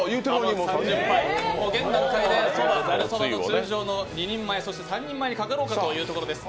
現段階でざるそば、通常の２人前そして３人前、かかろうかというところです。